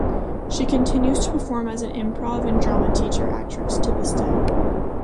She continues to perform as an improv and drama theater actress to this day.